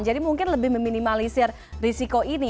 jadi mungkin lebih meminimalisir risiko ini